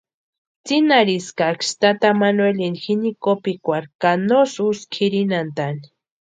Tsinhariskaksï tata manuelini jini kopikwarhu ka nosï úska jirinantʼani.